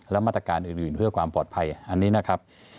และมาตรการอื่นเพื่อความปลอดภัยอันนี้นะครับ